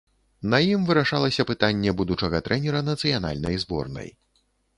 На ім вырашалася пытанне будучага трэнера нацыянальнай зборнай.